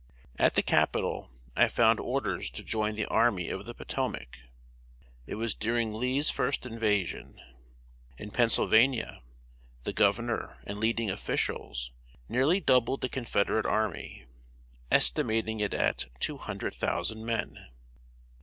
At the Capital, I found orders to join the Army of the Potomac. It was during Lee's first invasion. In Pennsylvania, the governor and leading officials nearly doubled the Confederate army, estimating it at two hundred thousand men.